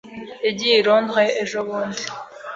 Yagiye i Londres ejobundi.